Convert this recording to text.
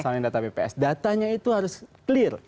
misalnya data bps datanya itu harus clear